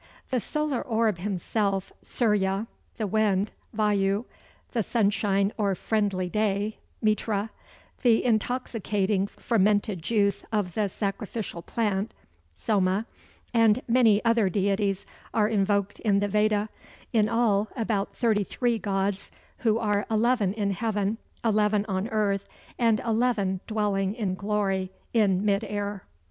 The Solar Orb himself (Surya), the Wind (Vayu), the Sunshine or Friendly Day (Mitra), the intoxicating fermented juice of the Sacrificial Plant (Soma), and many other deities are invoked in the Veda in all, about thirty three gods, "who are eleven in heaven, eleven on earth, and eleven dwelling in glory in mid air."